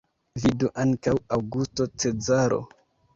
Vidu ankaŭ Aŭgusto Cezaro.